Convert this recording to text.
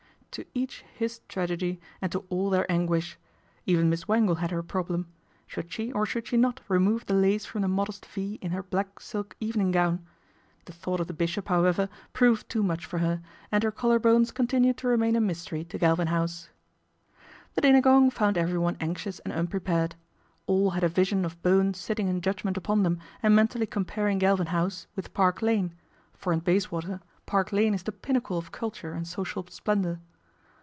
To each his tragedy and to all their anguish. Even Miss Wangle had her problem. Should she or should she not remove the lace from the modest V in her black silk evening gown. The thought ol the bishop, however, proved too much for her, anc GALVIN HOUSE MEETS A LORD 193 her collar bones continued to remain a mystery to Galvin House. The dinner gong found everyone anxious and prepared. All had a vision of Bowen sitting judgment upon them and mentally comparing alvin House with Park Lane ; for in Bayswater Park Lane is the pinnacle of culture and social splendour.